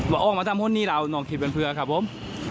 ออกมาทำคนนี้เราน้องคิดเป็นเพื่อนครับผม